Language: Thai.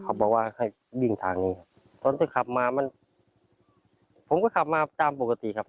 เขาบอกว่าให้วิ่งทางนี้ครับตอนที่ขับมามันผมก็ขับมาตามปกติครับ